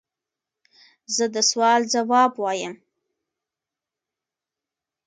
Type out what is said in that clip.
زه د سوال ځواب وایم.